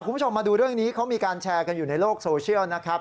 คุณผู้ชมมาดูเรื่องนี้เขามีการแชร์กันอยู่ในโลกโซเชียลนะครับ